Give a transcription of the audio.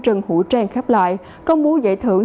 trần hữu trang khép lại công bố giải thưởng